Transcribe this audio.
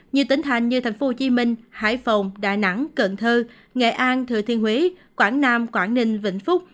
nhiều tỉnh thành như thành phố hồ chí minh hải phòng đà nẵng cần thơ nghệ an thừa thiên huế quảng nam quảng ninh vĩnh phúc